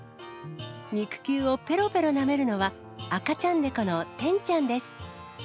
肉球をぺろぺろなめるのは、赤ちゃん猫のてんちゃんです。